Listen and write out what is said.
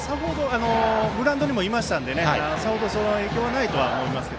グラウンドにいましたのでさほど影響はないと思います。